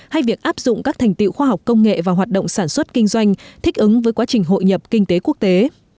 hay việc áp dụng các thành tiệu khoa học công nghệ và hoạt động sản xuất kinh doanh thích ứng với quá trình hội nhập kinh tế quốc tế